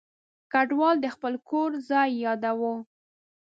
کډوال د خپل کور ځای یاداوه.